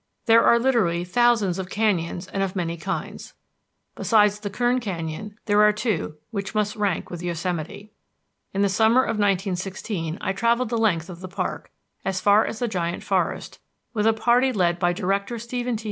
There are literally thousands of canyons and of many kinds. Besides the Kern Canyon there are two which must rank with Yosemite. In the summer of 1916 I travelled the length of the park, as far as the Giant Forest, with a party led by Director Stephen T.